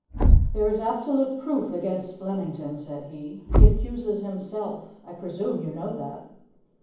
"There is absolute proof against Flemington," said he. "He accuses himself. I presume you know that."